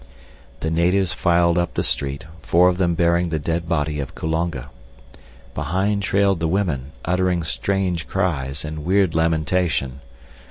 The natives filed up the street, four of them bearing the dead body of Kulonga. Behind trailed the women, uttering strange cries and weird lamentation.